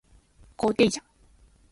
後継者